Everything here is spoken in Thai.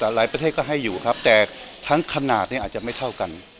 หลายประเทศก็ให้อยู่ครับแต่ทั้งขนาดเนี่ยอาจจะไม่เท่ากัน